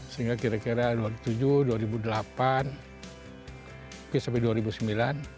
sehingga kira kira dua ribu tujuh dua ribu delapan sampai dua ribu sembilan